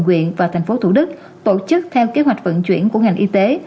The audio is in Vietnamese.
nguyện và thành phố thủ đức tổ chức theo kế hoạch vận chuyển của ngành y tế